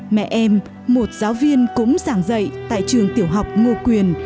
mẹ em một giáo viên cũng giảng dạy tại trường tiểu học ngô quyền